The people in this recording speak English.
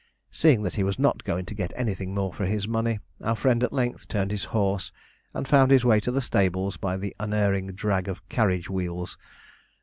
Seeing that he was not going to get anything more for his money, our friend at length turned his horse and found his way to the stables by the unerring drag of carriage wheels.